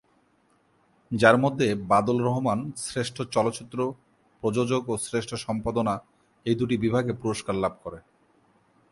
যার মধ্যে বাদল রহমান শ্রেষ্ঠ চলচ্চিত্র প্রযোজক ও শ্রেষ্ঠ সম্পাদনা এই দুইটি বিভাগে পুরস্কার লাভ করে।